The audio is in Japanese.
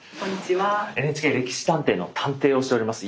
「歴史探偵」の探偵をしております